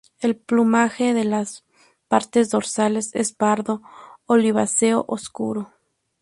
El plumaje de las partes dorsales es pardo oliváceo oscuro.